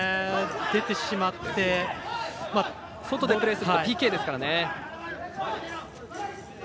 出てしまって外でプレーするとＰＫですからね。